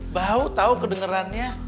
bau tau kedengerannya